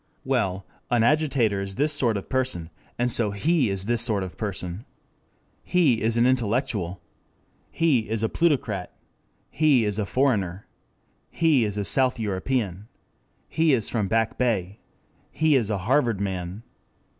Well, an agitator is this sort of person, and so he is this sort of person. He is an intellectual. He is a plutocrat. He is a foreigner. He is a "South European." He is from Back Bay. He is a Harvard Man.